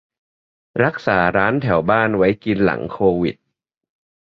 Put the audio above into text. - รักษาร้านแถวบ้านไว้กินหลังโควิด